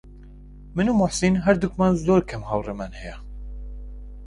من و موحسین هەردووکمان زۆر کەم هاوڕێمان هەیە.